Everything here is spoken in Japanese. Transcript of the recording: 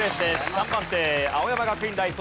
３番手青山学院大卒